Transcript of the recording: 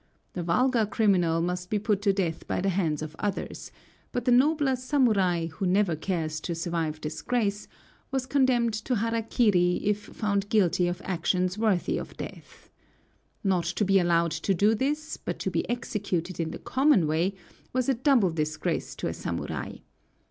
The vulgar criminal must be put to death by the hands of others, but the nobler samurai, who never cares to survive disgrace, was condemned to hara kiri if found guilty of actions worthy of death. Not to be allowed to do this, but to be executed in the common way, was a double disgrace to a samurai.